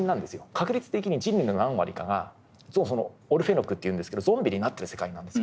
確率的に人類の何割かがオルフェノクっていうんですけどゾンビになってる世界なんです。